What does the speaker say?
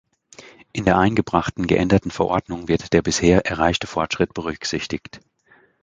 In der eingebrachten geänderten Verordnung wird der bisher erreichte Fortschritt berücksichtigt.